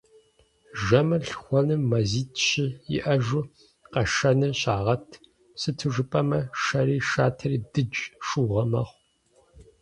Жэмыр лъхуэным мазитӀ-щы иӀэжу къэшыныр щагъэт, сыту жыпӀэмэ, шэри шатэри дыдж, шыугъэ мэхъу.